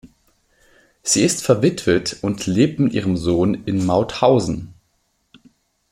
Sie ist verwitwet und lebt mit ihrem Sohn in Mauthausen.